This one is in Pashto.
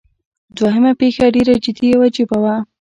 دوهمه پیښه ډیره جدي او عجیبه وه.